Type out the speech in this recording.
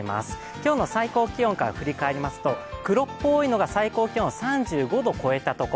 今日の最高気温から振り返りますと黒っぽいのが最高気温３５度を超えた所。